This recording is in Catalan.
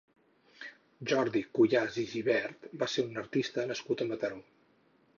Jordi Cuyàs i Gibert va ser un artista nascut a Mataró.